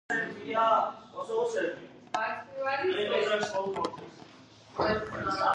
ნოტიო კლიმატის პირობებში დეფლაცია მდინარეების ტერასებზე ადგილ-ადგილ ქმნის გამოქარვის ქვაბულებს.